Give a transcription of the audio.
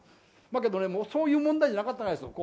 だけどね、そういう問題じゃなかったんです。